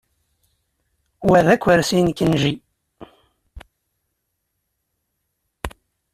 Wa d akersi n Kenji.